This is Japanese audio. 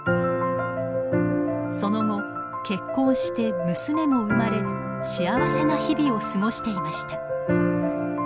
その後結婚して娘も生まれ幸せな日々を過ごしていました。